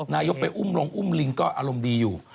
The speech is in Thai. นายกไปอุ้มลงอุ้มลิงก็อารมณ์ดีอยู่